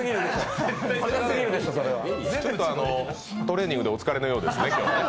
随分とトレーニングでお疲れのようですね。